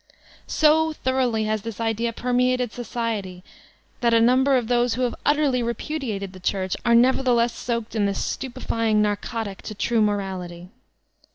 So thoroughly has this idea permeated Society that numbers of those who have utterly repu diated the Church, are nevertheless soaked in this stupe fying narcotic to true morality.